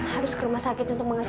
kalian belum kedahuan mereka